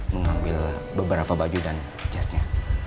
mengambil beberapa baju dan jasnya